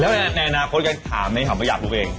แล้วในอนาคตกันถามในความว่าอยากรู้เอง